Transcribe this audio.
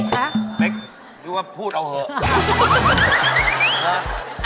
เม็กดูว่าพูดเอาเถอะ